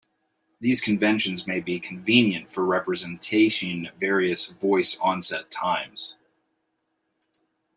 These conventions may be convenient for representing various voice onset times.